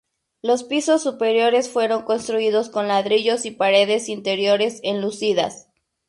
Los pisos superiores fueron construidos con ladrillos y paredes interiores enlucidas.